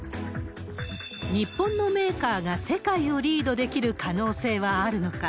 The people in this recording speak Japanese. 日本のメーカーが世界をリードできる可能性はあるのか。